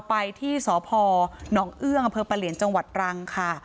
ไปที่สพนเอื้องอเปลี่ยนจรังค์ค่ะ